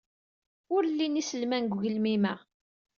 Ur llin yiselman deg ugelmim-a.